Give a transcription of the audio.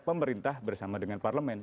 pemerintah bersama dengan parlemen